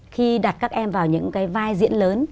khi đặt các em vào những cái vai diễn lớn